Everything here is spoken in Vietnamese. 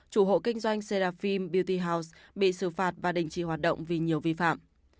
chủ hộ kinh doanh seraphim beauty house bị xử phạt và đình trì hoạt động vì nhiều vi phạm